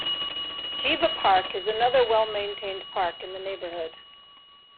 Jeeva Park is another well-maintained park in the neighbourhood.